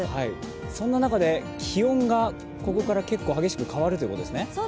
そんな中で気温がここから結構激しく変わるということですね。